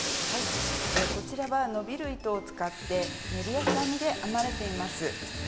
はいこちらは伸びる糸を使ってメリヤス編みで編まれています。